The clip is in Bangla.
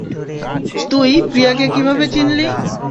তুই প্রিয়াকে কীভাবে চিনলি?